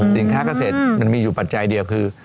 สินค้าเกษตรมันมีอยู่ปัจจัยเดียวคือ